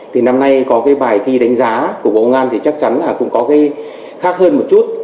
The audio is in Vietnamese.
thì năm nay có cái bài thi đánh giá của bộ công an thì chắc chắn là cũng có cái khác hơn một chút